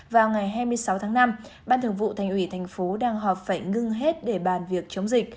vào ngày hai mươi sáu tháng năm ban thường vụ thành ủy thành phố đang họp phải ngưng hết để bàn việc chống dịch